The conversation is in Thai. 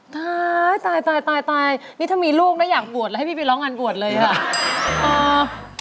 ตายตายนี่ถ้ามีลูกนะอยากบวชแล้วให้พี่ไปร้องอันบวชเลยค่ะ